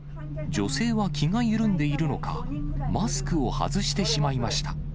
女性は気が緩んでいるのか、マスクを外してしまいました。